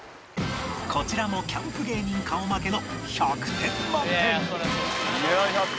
こちらもキャンプ芸人顔負けの１００点満点！